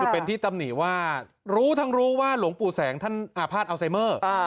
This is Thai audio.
เป็นที่ตำหนิว่ารู้ทั้งรู้ว่าหลวงปู่แสงท่านอาภาษณอัลไซเมอร์